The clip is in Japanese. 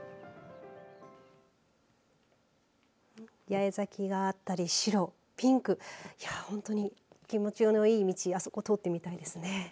八重咲きがあったり、白、ピンクいやあ、本当に気持ちのいい道通ってみたいですね。